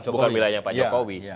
bukan wilayahnya pak jokowi